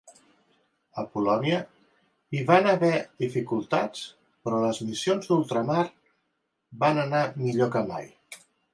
A Polònia hi van haver dificultats, però les missions d'ultramar van anar millor que mai.